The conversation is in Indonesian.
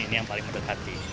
ini yang paling mendekati